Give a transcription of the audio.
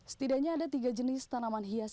setidaknya ada tiga jenis tanaman hias